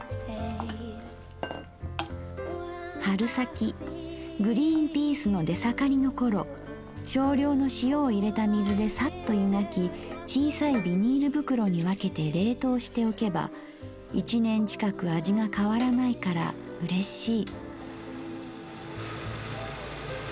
「春先グリーンピースの出盛りの頃少量の塩を入れた水でさっとゆがき小さいビニール袋にわけて冷凍しておけば一年近く味が変わらないから嬉しい」。